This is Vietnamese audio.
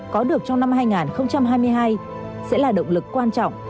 có được trong năm hai nghìn hai mươi hai sẽ là động lực quan trọng